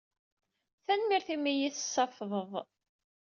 Tanemmirt imi ay iyi-tessafḍeḍ.